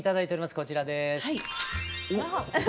こちらです。